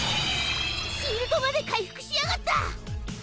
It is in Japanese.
シールドまで回復しやがった！